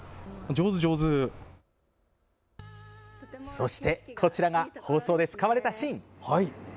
そして、こちらが放送で使われたシーン。